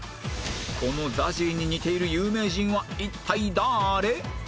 この ＺＡＺＹ に似ている有名人は一体誰？